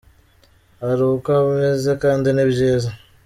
Ari uko ameze kandi ni byiza!”.